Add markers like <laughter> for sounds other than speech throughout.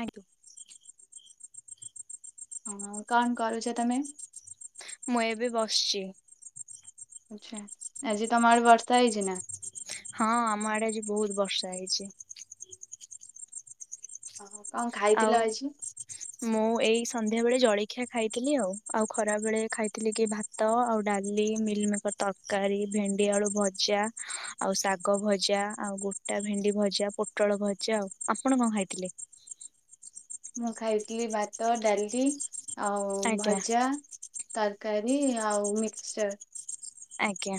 ଆଇତୁ ହଁ କଣ କରୁଛ ତମେ? ମୁଁ ଏବେ ବସିଛି। ଆଚଛା ଆଜି ତମର ବର୍ଷା ହେଇଛି ନା? ହଁ ଆମ ଆଡେ ଆଜି ବହୁତ ବର୍ଷା ହେଇଛି। ଓ କଣ ଆଉ ଖାଇଥିଲ ଆଜି? ମୁଁ ଏଇ ସନ୍ଧ୍ୟା ବେଳେ ଜଳଖିଆ ଖାଇଥିଲି ଆଉ ଆଉ ଖରା ବେଳେ ଖାଇଥିଲି କି ଭାତ। ଭାତ ଆଉ ଡାଲି ମିଲ୍ମିକ ତରକାରୀ ଭେଣ୍ଡି ଆଳୁ ଭଜା। ଆଉ ଶାଗ ଭଜା, ଆଉ ଗୋଟା ଭେଣ୍ଡି ଭଜା, ପୋଟଳ ଭଜା। ଆଉ ଆପଣ କଣ ଖାଇଥିଲେ? ମୁଁ ଖାଇଥିଲି ଭାତ ଡାଲି ଆଉ ଆଜ୍ଞା ଭଜା। ତରକାରୀ ଆଉ ମିକ୍ସଚର। ଆଜ୍ଞା।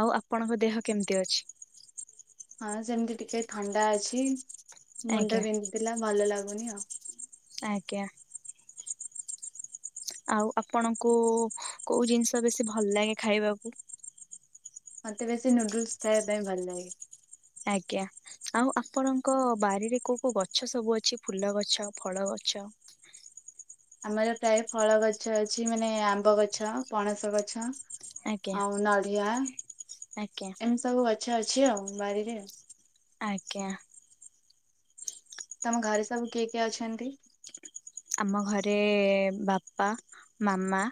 ଆଉ ଆପଣଙ୍କ ଦେହ କେମିତି ଅଛି? ହଁ, ସେମିତି ଟିକେ ଥଣ୍ଡା ଅଛି ଆଜ୍ଞା ମୁଣ୍ଡ ବିନ୍ଧିଥିଲା ଭଲ ଲାଗୁନି ଆଉ। ଆଜ୍ଞା। ଆଉ ଆପଣଙ୍କୁ କୋଉ ଜିନିଷ ବେଶୀ ଭଲ ଲାଗେ ଖାଇବାକୁ। ମତେ ବେଶୀ ନୁଡୁଲ୍ସ ଖାଇବା ପାଇଁ ଭଲ ଲାଗେ। ଆଜ୍ଞା। ଆଉ ଆପଣଙ୍କ ବାରିରେ କୋଉ କୋଉ ଗଛ ସବୁ ଅଛି ଫୁଲ ଗଛ ଫଳ ଗଛ। ଆମର ପ୍ରାୟ ଫଳ ଗଛ ଅଛି ମାନେ ଆମ୍ବ ଗଛ ପଣସ ଗଛ। ଆଜ୍ଞା ଆଉ ନଡ଼ିଆ, ଆଜ୍ଞା। ଏମିତି ସବୁ ଗଛ ଅଛି ଆଉ ବାରିରେ। ଆଜ୍ଞା, ତମ ଘରେ ସବୁ କିଏ କିଏ ଅଛନ୍ତି? ଆମ ଘରେ ବାପା, ମାମା,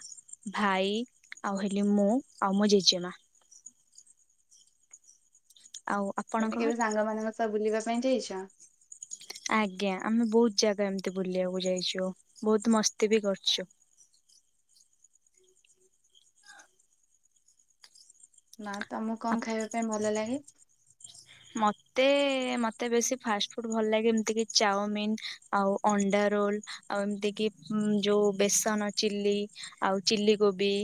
ଭାଇ, ଆଉ ହେଲି, ମୁଁ, ଆଉ ମୋ ଜେଜେମା। ଆଉ ଆପଣଙ୍କ ତମେ କେବେ ଘରେ? ସାଙ୍ଗମାନଙ୍କ ସହ ବୁଲିବା ପାଇଁ ଯାଇଛ? ଆଜ୍ଞା, ଆମେ ବହୁତ ଜାଗା ଏମତି ବୁଲିବାକୁ ଯାଇଛୁ, ବହୁତ ମସ୍ତି ବି କରିଛୁ। ନା, ତମକୁ କଣ ଖାଇବା ପାଇଁ ଭଲ ଲାଗେ? ମତେ, ମତେ ବେଶୀ ଫାଷ୍ଟ ଫୁଡ ଭଲ ଲାଗେ। ଏମିତି କି ଚାଉମିିନ୍, ଆଉ ଅଣ୍ଡା ରୋଲ, ଆଉ ଏମିତି କିି ଯୋଉ ବେସନ ଚିଲି, ଆଉ ଚିଲି କୋବି,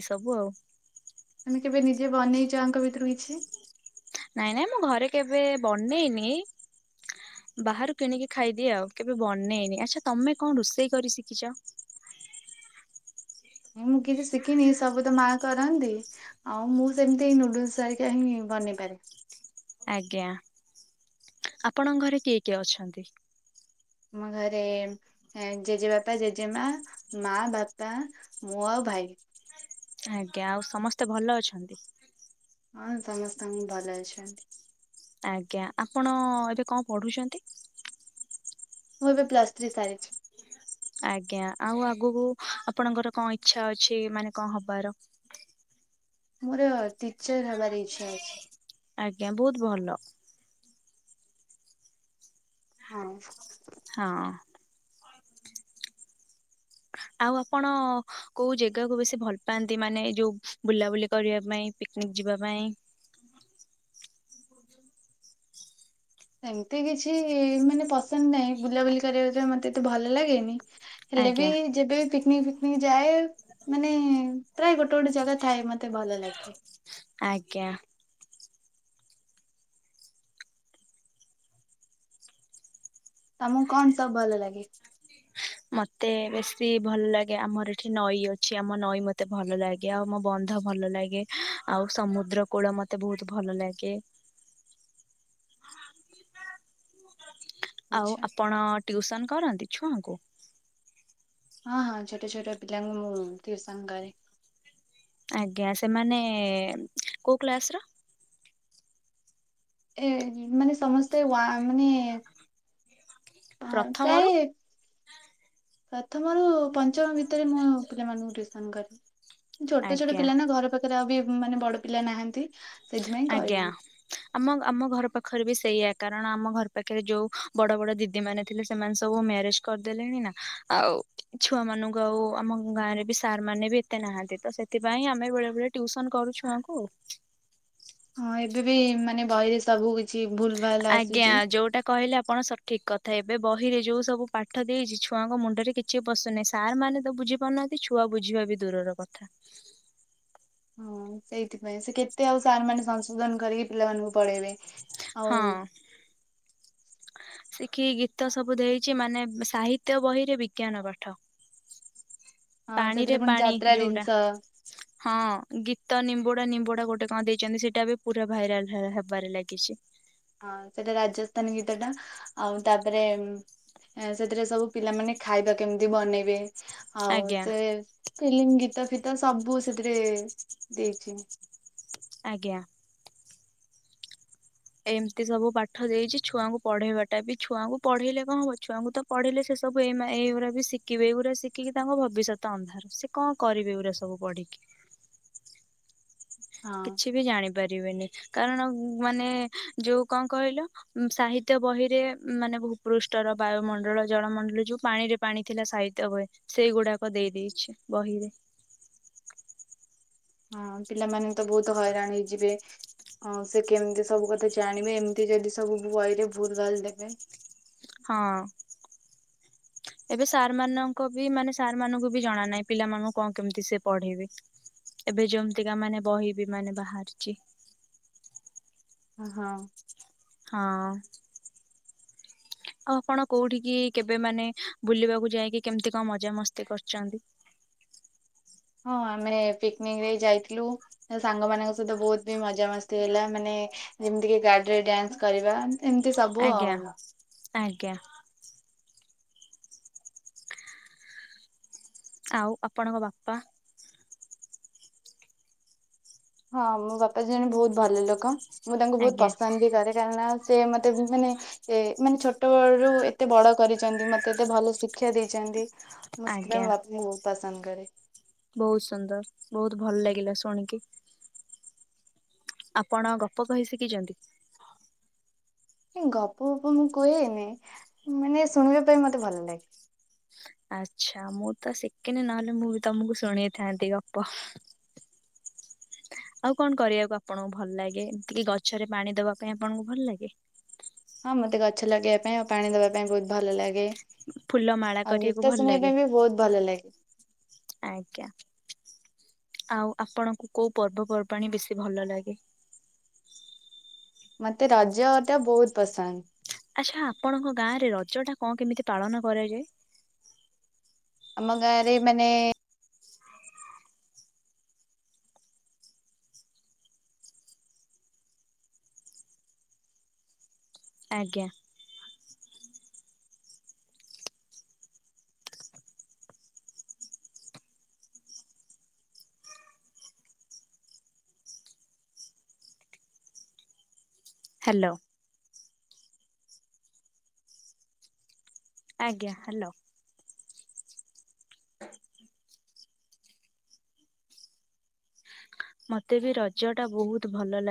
ଏଇସବୁ ଆଉ। ତମେ କେବେ ନିଜେ ବନେଇଛ? ଆଙ୍କ ଭିତରୁ କିଛି? ନାଇଁ, ନାଇଁ, ମୁଁ ଘରେ କେବେ ବନେଇନି ବାହାରୁ କିଣିକି ଖାଇଦିଏ ଆଉ, କେବେ ବନେଇନି। ଆଚ୍ଛା, ତମେ କଣ ରୋଷେଇ କରି ଶିଖିଛ? ମୁଁ କିଛି ଶିଖିନି, ସବୁ ତ ମା କରନ୍ତି। ଆଉ ମୁଁ ସେମିତି ନୁଡୁଲସ ସାରିକା ହିଁ ବନେଇପାରେ। ଆଜ୍ଞା। ଆମ ଘରେ ଏଁ ଜେଜେବାପା, ଜେଜେମା, ମା, ବାପା, ମୁଁ, ଆଉ ଭାଇ। ଆଜ୍ଞା, ଆଉ ସମସ୍ତେ ଭଲ ଅଛନ୍ତି? ହଁ, ସମସ୍ତେ ଭଲ ଅଛନ୍ତି। ଆଜ୍ଞା, ଆପଣ ଏବେ କଣ ପଢୁଛନ୍ତି? ମୁଁ ଏବେ ପ୍ଲସ ଥ୍ରୀ ସାରିଛି। ଆଜ୍ଞା, ଆଉ ଆଗକୁ ଆପଣଙ୍କର କଣ ଇଚ୍ଛା ଅଛି, ମାନେ କଣ ହବାର? ମୋର ଟିଚର ହବାର ଇଛା ଅଛି। ଆଜ୍ଞା, ବହୁତ ଭଲ। ହଁ। ହଁ, ଆଉ ଆପଣ କୋଉ ଜାଗାକୁୁ ବେଶୀ ଭଲ ପାଆନ୍ତି, ମାନେ ଏ ଯୋଉ ବୁଲାବୁଲି କରିବା ପାଇଁ? ପିକ୍ ନିକ୍ ଯିବା ପାଇଁ? ସେମିତି କିଛି ମାନେ ପସନ୍ଦ ନାହିଁ। ବୁଲାବୁଲି କରିବା ଯିବା ମତେ ଏତେ ଭଲ ଲାଗେନି, ହେଲେ ବି ଆଜ୍ଞା ଯେବେ ବି ପି ପିକ୍ ନିକ୍ ଫିକ୍ ନିକ୍ ଯାଏ। ମାନେ ପ୍ରାୟ ଗୋଟେ ଗୋଟେ ଜାଗା ଥାଏ ମତେ ଭଲ ଲାଗେ। ଆଜ୍ଞା, ତମକୁ କଣ ସବୁ ଭଲ ଲାଗେ? ମତେ ବେଶୀ ଭଲ ଲାଗେ, ଆମର ଏଠି ନଈ ଅଛି, ଆମ ନଈ ମତେ ଭଲ ଲାଗେ। ଆଉ ମୋ ବନ୍ଧ ଭଲ ଲାଗେ, ଆଉ ସମୁଦ୍ର କୂଳ ମତେ ବହୁତ ଭଲ ଲାଗେ। <inaudible> ଆଉ ଆଚ୍ଛା ଆପଣ ଟ୍ୟୁଉସନ କରନ୍ତି ଛୁଆଙ୍କୁ? ହଁ, ହଁ, ଛୋଟ ଛୋଟ ପିଲାଙ୍କୁ ମୁଁ ଟିଉସନ କରେ। ଆଜ୍ଞା, ସେମାନେ କୋଉ କ୍ଲାସ ର? ଏ ମାନେ ସମସ୍ତେ ୱା ମାନେ ପ୍ରଥମରୁ କାଇଁ <unintelligible> ପ୍ରଥମରୁୁ ପଞ୍ଚମ ଭିତରେ ମୁଁ ପିଲାମାନଙ୍କୁ ଟିଉସନ କରେ। ଛୋଟ ଛୋଟ ଆଜ୍ଞା ପିଲା ନା ଘର ପାଖ ର ବି ମାନେ ବଡ ପିଲା ନାହାନ୍ତି। ସେଥିପାଇଁ ଆଜ୍ଞା। କରିନି ଆମ ଆମ ଘର ପାଖରେ ବି ସେଇଆ କାରଣ ଆମ ଘର ପାଖରେ ଯୋଉ ବଡ ବଡ ଦିଦି ମାନେ ଥିଲେ ସେମାନେ ସବୁ ମ୍ୟାରେଜ କରିଦେଲେଣି ନା ଆଉ ଛୁଆ ମାନଙ୍କୁ ଆଉ ଆମ ଗାଁ ରେ ବି ସାର୍ ମାନେ ବି ସେତେ ନାହାନ୍ତି ତ ସେଥିପାଇଁ ଆମେ ବେଳେ ବେଳେ ଟ୍ୟୁସନ କରୁଛୁଆଙ୍କୁ। ହଁ ଏବେ ବି ମାନେ ବହିରେ ସବୁ କିଛି ଭୁଲ ଭାଲ ଆଜ୍ଞା ଆସୁଛି। ଯୋଉଟା କହିଲେ ଆପଣ ସ ଠିକ କଥା ଏବେ ବହିରେ ଯୋଉ ସବୁ ପାଠ ଦେଇଛି ଛୁଆଙ୍କ ମୁଣ୍ଡରେ କିଛି ପଶୁନାହିଁ ସାର୍ ମାନେ ତ ବୁଝିପାରୁନାହାନ୍ତି। ଛୁଆ ବୁଝିବା ବି ଦୂରର କଥା। ହଁ ସେଇଥିପାଇଁ ସେ କେତେ ଆଉ ସାର ମାନେ ସଂଶୋଧନ କରିକି ପିଲାମାନଙ୍କୁ ପଢେଇବେ। ହଁ। ଆଉ ସେ କି ଗୀତ ସବୁ ଦେଇଛି ମାନେ ସାହିତ୍ୟ ବହିରେ ବିଜ୍ଞାନ ପାଠ। ହଁ ପାଣି ରେ ସେଥିରେ ପୁଣି ପାଣି ଯାତ୍ରା ଯୋଉଟା। ଜିନିଷ ହଁ ଗୀତ ନିମ୍ବୁଡା ନିମ୍ବୁଡା ଗୋଟେ କଣ ଦେଇଛନ୍ତି ସେଇଟା ବି ପୁରା ଭାଇରାଲ ହେବାରେ ଲାଗିଛି। ହଁ ସେଇଟା ରାଜସ୍ଥାନ ଗୀତ ଟା ଆଉ ତାପରେ ସେଥିରେ ସବୁ ପିଲାମାନେ ଖାଇବା କେମିତି ବନେଇବେ ଆଉ ଆଜ୍ଞା ସେ ଫିଲ୍ମ ଗୀତ ପିତ ସବୁ ସେଥିରେ ଦେଇଛି। ଆଜ୍ଞା। ଏମିତି ସବୁ ପାଠ ଦେଇଛି ଛୁଆଙ୍କୁ ପଢେଇବାଟା ବି ଛୁଆଙ୍କୁ ପଢେଇଲେ କଣ ହବ ଛୁଆଙ୍କୁ ତ ପଢିଲେ ସେ ସବୁ ଏଇ ମାନେ ଏଇଗୁଡା ବି ଶିଖିବେ ଏଇଗୁଡା ଶିଖିକି ତାଙ୍କ ଭବିଷ୍ୟତ ଅନ୍ଧାର। କଣ କରିବେ ଏଇ ଗୋରା ସବୁ ପଢିକି? ହଁ କିଛି ବି ଜାଣିପାରିବେନି କାରଣ ମାନେ ଯୋଉ କଣ କହିଲ ସାହିତ୍ୟ ବହିରେ ମାନେ ଭୂପୃଷ୍ଠର ବାୟୁମଣ୍ଡଳ ଜଳମଣ୍ଡଳ ଯୋଉ ପାଣିରେ ପାଣି ଥିଲା ସାହିତ୍ୟ ବହି ସେଇଗୁଡାକ ଦେଇ ଦେଇେଇଛି ବହିରେ। ହଁ ପିଲାମାନେ ତ ବହୁତ ହଇରାଣ ହେଇଯିବେ। ହଁ ସେ କେମିତି ସବୁ କଥା ଜାଣିବେ ଏମିତି ଯଦି ସବୁ ବହି ରେ ଭୁଲ ଭାଲ ଦେବେ। ହଁ। ଏବେ ସାର ମାନଙ୍କ ବି ମାନେ ସାର୍ ମାନଙ୍କୁ ବି ଜଣା ନାହିଁ ପିଲାମାନଙ୍କୁ କଣ କେମତି ସେ ପଢେଇବେ। ଏବେ ଯେମତିକା ମାନେ ବହି ବି ମାନେ ବାହାରିଛି। ଆଉ। ହଁ। ଆଉ ଆପଣ କୋଉଠିିକ କି କେବେ ମାନେ ବୁଲିବାକୁ ଯାଇକି କେମତି କଣ ମଜା ମସ୍ତି କରୁଛନ୍ତି। ହଁ ଆମେ ପିକନିକ ରେ ଯାଇଥିଲୁ। ନିଜ ସାଙ୍ଗ ମାନଙ୍କ ସହିତ ବହୁତ ବି ମଜାମସ୍ତି ହେଲା ମାନେ ଯେମିତି କି ଗାଡିରେ ଡ୍ୟାନ୍ସ କରିବା। ଏମିତି ସବୁ ଆଜ୍ଞା ଆଉ। ଆଜ୍ଞା। ଆଉ ଆପଣଙ୍କ ବାପା? ହଁ ମୋ ବାପା ଜଣେ ବହୁତ ଭଲ ଲୋକ। ମୁଁ ତାଙ୍କୁ ବହୁତ ଆଜ୍ଞା ପସନ୍ଦ ବି କରେ କାରଣ ସେ ମତେ ମାନେ ଏ ମାନେ ଛୋଟ ବଳ ରୁ ଏତେ ବଡ କରିଛନ୍ତି। ମତେ ଏତେ ଭଲ ଶିକ୍ଷା ଦେଇଛନ୍ତି। ମୁଁ ସେଥିପାଇ ଆଜ୍ଞା ବାପାଙ୍କୁ ବହୁତ ପସନ୍ଦ କରେ। ବହୁତ ସୁନ୍ଦର, ବହୁତ ଭଲ ଲାଗିଲା ଶୁଣିକି। ଆପଣ ଗପ କହି ଶିଖିଛନ୍ତି? ଗପ ଗପ ମୁଁ କୁହେନି। ମାନେ ଶୁଣିବା ପାଇଁ ମତେ ଭଲ ଲାଗେ। ଆଛା। ମୁଁ ତ ଶିଖିନି ନହେଲେ ମୁଁ ବି ତମକୁ ଶୁଣେଇଥାନ୍ତି ଗପ। ଆଉ କଣ କରିବାକୁ ଆପଣଙ୍କୁ ଭଲ ଲାଗେ? ଏଇ ଗଛରେ ପାଣି ଦବା ପାଇଁ ଆପଣଙ୍କୁ ଭଲ ଲାଗେ? ହଁ ମତେ ଗଛ ଲଗେଇବା ପାଇଁ ଆଉ ପାଣି ଦବା ପାଇଁ ବହୁତ ଭଲ ଲାଗେ। ଫୁଲ ମାଳା ଆଉ କରିବାକୁ ଗୀତ ଭଲ ଶୁଣିବା ଲାଗେ? ପାଇଁ ବି ବହୁତ ଭଲ ଲାଗେ। ଆଜ୍ଞା। ଆଉ ଆପଣଙ୍କୁ କୋଉ ପର୍ବ ପର୍ବାଣି ବେଶୀ ଭଲ ଲାଗେ? ମତେ ରଜ ଟା ବହୁତ ପସନ୍ଦ। ଆଚ୍ଛା ଆପଣଙ୍କ ଗାଁ ରେ ରଜ ଟା କଣ କେମିତି ପାଳନ କରାଯାଏ? ଆମ ଗାଁରେ ମାନେ- - ଆଜ୍ଞା। ହାଲୋ। ଆଜ୍ଞା ହାଲୋ। ମତେ ବି ରଜ ଟା ବହୁତ ଭଲ ଲାଗ।